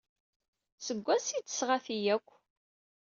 Seg wansi ay d-tesɣa ti akk?